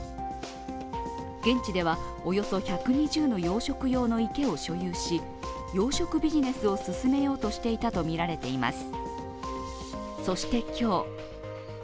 現地ではおよそ１２０の養殖用の池を所有し養殖ビジネスを進めようとしていたとみられています。